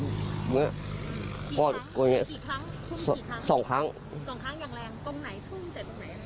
กี่ครั้งทุ่มกี่ครั้งสองครั้งอย่างแรงตรงไหนทุ่มแต่ตรงไหน